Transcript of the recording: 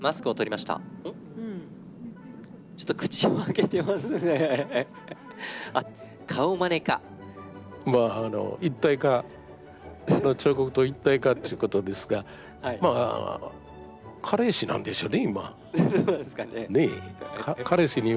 まああの一体化彫刻と一体化っていうことですが彼氏なんでしょうね今ねえ。